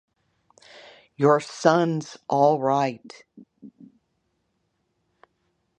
Your son's all right.